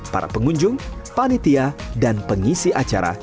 para pengunjung panitia dan pengisi acara